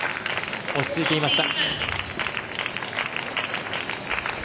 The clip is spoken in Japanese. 落ち着いていました。